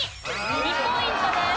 ２ポイントです。